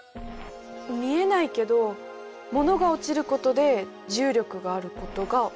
見えないけど物が落ちることで重力があることが分かる。